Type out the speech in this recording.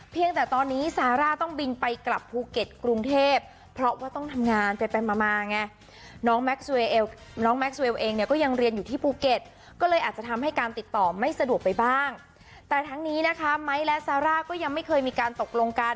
เพียงแต่ตอนนี้ซาร่าต้องบินไปกลับภูเก็ตกรุงเทพ